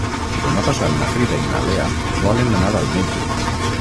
Demà passat na Frida i na Lea volen anar al metge.